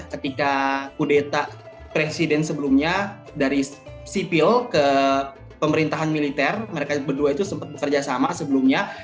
ketika kudeta presiden sebelumnya dari sipil ke pemerintahan militer mereka berdua itu sempat bekerja sama sebelumnya